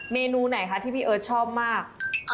เมนูไหนคะที่พี่เอิร์ทชอบมาก